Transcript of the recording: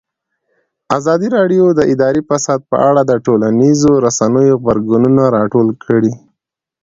ازادي راډیو د اداري فساد په اړه د ټولنیزو رسنیو غبرګونونه راټول کړي.